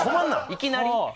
いきなり？